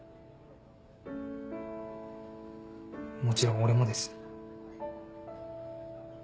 もちろん俺もです。